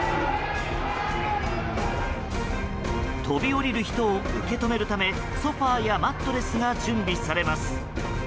飛び降りる人を受け止めるためソファやマットレスが準備されます。